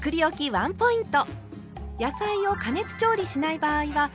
ワンポイント。